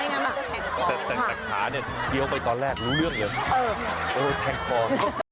ไม่นะมันก็แพงฟอร์มากแต่จากขาเนี่ยเดี๋ยวไปตอนแรกรู้เรื่องเหรอเออแพงฟอร์